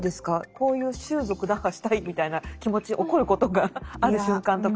こういう習俗打破したいみたいな気持ち起こることがある瞬間とか。